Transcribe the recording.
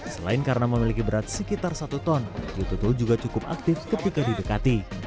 selain karena memiliki berat sekitar satu ton hiu tutul juga cukup aktif ketika didekati